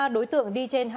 ba đối tượng đi trên